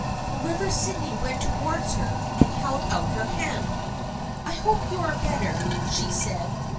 However Sydney went towards her and held out her hand. " I hope you are better," she said.